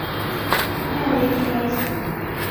হ্যাঁ, আমি ঠিক আছি।